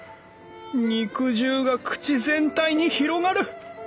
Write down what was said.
肉汁が口全体に広がる。